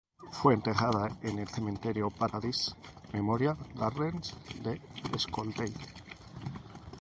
Fue enterrada en el cementerio Paradise Memorial Gardens de Scottsdale.